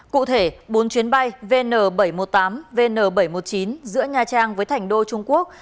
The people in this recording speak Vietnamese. cụ thể bốn chuyến bay vn bảy trăm một mươi tám vn bảy trăm một mươi chín giữa nha trang với thành đô trung quốc